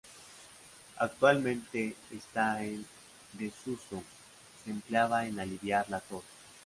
Actualmente está en desuso, se empleaba en aliviar la tos.